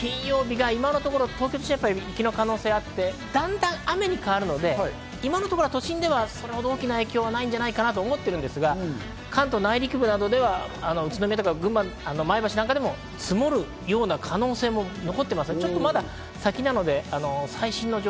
金曜日が今のところ東京都心、雪の可能性があって、だんだん雨に変わるので、今のところ都心ではさほど大きな影響はないんじゃないかなと思ってるんですが、関東の内陸部などでは宇都宮、前橋などでは積もるような可能性「ファンクロス」